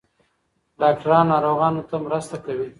ډاکټران ناروغانو ته مرسته کوي.